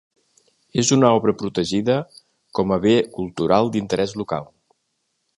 És una obra protegida com a Bé Cultural d'Interès Local.